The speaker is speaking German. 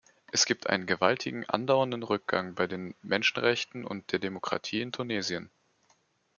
Es gibt einen gewaltigen, andauernden Rückgang bei den Menschenrechten und der Demokratie in Tunesien.